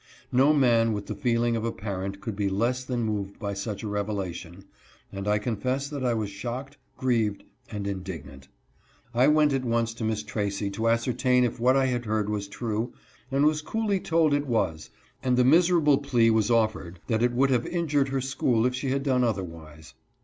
No man with the feeling of a parent could be less than moved by such a revelation, and I confess that I was shocked, grieved, and indignant. I went at once to Miss Tracy 332 OSTRACISM. to ascertain if what I had heard was true, and was coolly told it was, and the miserable plea was offered that it would have injured her school if she had done otherwise.